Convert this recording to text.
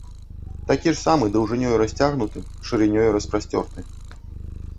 Такі ж самы даўжынёю расцягнуты, шырынёю распасцёрты.